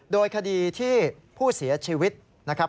โดยคดีที่ผู้เสียชีวิตนะครับ